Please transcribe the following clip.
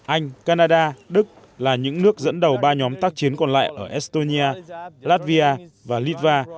anh canada đức là những nước dẫn đầu ba nhóm tác chiến còn lại ở estonia latvia và litva